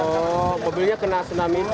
oh mobilnya kena tsunami itu